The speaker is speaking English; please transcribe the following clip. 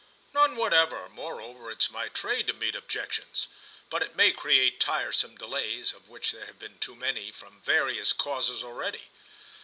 "None whatever; moreover it's my trade to meet objections. But it may create tiresome delays, of which there have been too many, from various causes, already.